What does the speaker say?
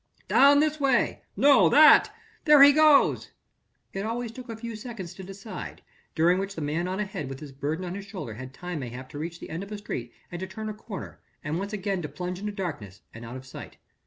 "Down this way!" "No! That!" "There he goes!" It always took a few seconds to decide, during which the man on ahead with his burden on his shoulder had time mayhap to reach the end of a street and to turn a corner and once again to plunge into darkness and out of sight.